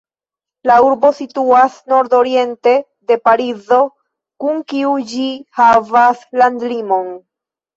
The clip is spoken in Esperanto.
La urbo situas nordoriente de Parizo, kun kiu ĝi havas landlimon.